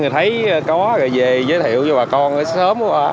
người thấy có rồi về giới thiệu cho bà con sớm quá